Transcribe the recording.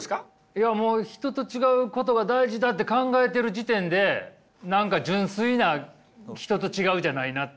いやもう人と違うことが大事だって考えてる時点で何か純粋な人と違うじゃないなっていう。